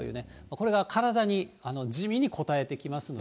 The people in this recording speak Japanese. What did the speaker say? これが体に地味にこたえてきますので。